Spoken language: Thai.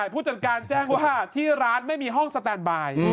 ผู้จัดการแจ้งว่าที่ร้านไม่มีห้องสแตนบาย